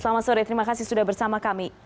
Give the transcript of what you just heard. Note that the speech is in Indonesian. selamat sore terima kasih sudah bersama kami